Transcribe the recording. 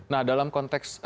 nah dalam konteks